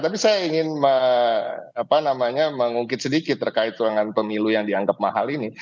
tapi saya ingin mengungkit sedikit terkait dengan pemilu yang dianggap mahal ini